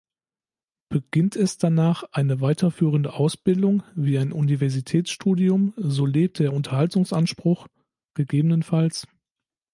Beginnt es danach eine weiterführende Ausbildung wie ein "Universitätsstudium", so lebt der Unterhaltsanspruch ggf.